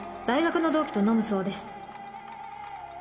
「大学の同期と飲むそうです」